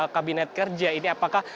kabinet kerja ini apakah